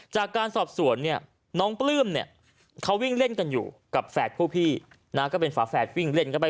จากการสอบสวนนี่น้องปลื้มเขาวิ่งเล่นกันอยู่กับแฝดผู้พี่